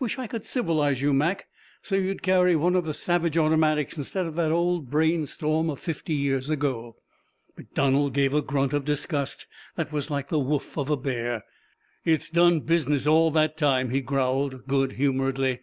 Wish I could civilize you, Mac, so you'd carry one of the Savage automatics instead of that old brain storm of fifty years ago!" MacDonald gave a grunt of disgust that was like the whoof of a bear. "It's done business all that time," he growled good humouredly.